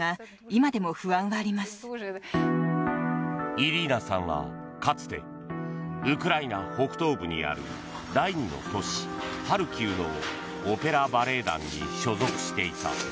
イリーナさんは、かつてウクライナ北東部にある第２の都市ハルキウのオペラ・バレエ団に所属していた。